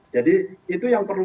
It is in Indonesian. jadi itu yang perlu